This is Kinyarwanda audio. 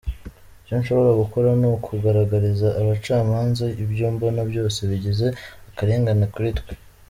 Icyo nshobora gukora ni ukugaragariza abacamanza ibyo mbona byose bigize akarengane kuri twe.